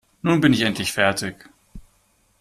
Nun bin ich endlich fertig.